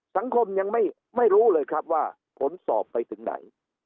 สังคมยังไม่รู้เลยครับว่าผลสอบไปถึงไหน